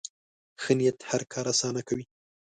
ښه نیت هر کار اسانه کوي.